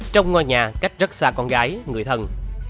trong ngôi nhà cách rất xa con gái người thân